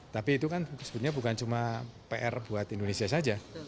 tapi itu kan sebetulnya bukan cuma pr buat indonesia saja